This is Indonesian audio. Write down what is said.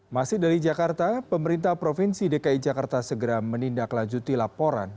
masih dari jakarta pemerintah provinsi dki jakarta segera menindaklanjuti laporan